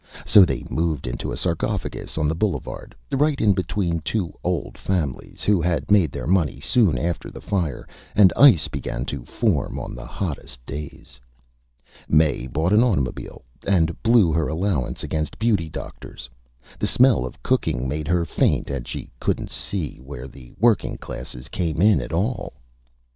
So they moved into a Sarcophagus on the Boulevard, right in between two Old Families, who had made their Money soon after the Fire, and Ice began to form on the hottest Days. Mae bought an Automobile, and blew her Allowance against Beauty Doctors. The Smell of Cooking made her Faint, and she couldn't see where the Working Classes came in at all.